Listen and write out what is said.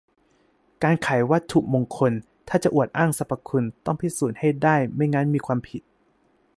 - การขายวัตถุมงคล ถ้าจะอวดอ้างสรรพคุณ ต้องพิสูจน์ให้ได้ ไม่งั้นมีความผิด